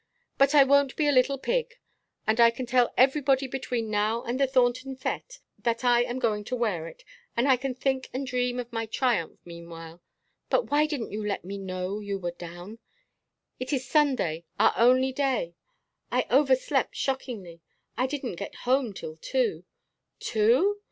"But I won't be a little pig. And I can tell everybody between now and the Thornton fête that I am going to wear it, and I can think and dream of my triumph meanwhile. But why didn't you let me know you were down? It is Sunday, our only day. I overslept shockingly. I didn't get home till two." "Two?